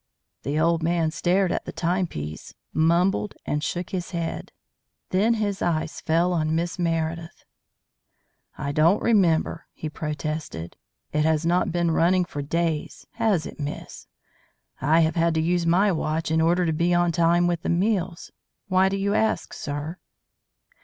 The old man stared at the time piece, mumbled, and shook his head. Then his eyes fell on Miss Meredith. "I don't remember," he protested. "It has not been running for days; has it, Miss? I have had to use my watch in order to be on time with the meals. Why do you ask, sir?"